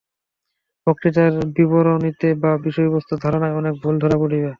বক্তৃতার বিবরণীতে বা বিষয়বস্তু ধারণায় অনেক ভুল ধরা পড়িবে।